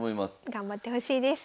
頑張ってほしいです。